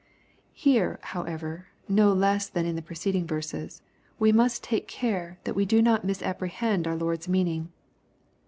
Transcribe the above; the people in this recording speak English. Here, however, no less than in the preceding verses, we must take care that we do not misapprehend our Lord's meaning.